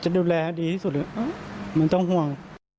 ดูแลดีที่สุดไม่ต้องห่วง